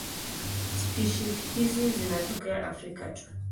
Spishi hizi zinatokea Afrika tu.